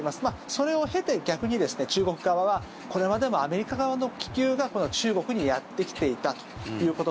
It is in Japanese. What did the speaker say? それを経て、逆に中国側はこれまでもアメリカ側の気球がこの中国にやってきていたということ。